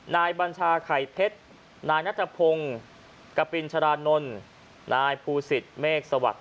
บัญชาไข่เพชรนายนัทพงศ์กปินชรานนท์นายภูศิษฐเมฆสวัสดิ์